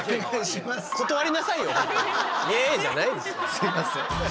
すいません。